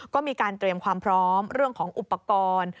ก็มีการเตรียมความพร้อมเรื่องของอุปกรณ์